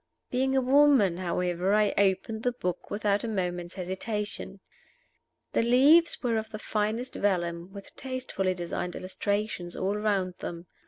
Being a woman, however, I opened the book without a moment's hesitation. The leaves were of the finest vellum, with tastefully designed illuminations all round them.